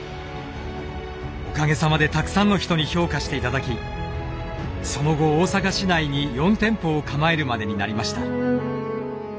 おかげさまでたくさんの人に評価して頂きその後大阪市内に４店舗を構えるまでになりました。